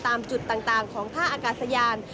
ตามจุดต่างของท่าอากาศยาน